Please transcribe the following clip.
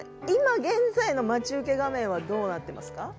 今、現在の待ち受け画面はどうなってますか？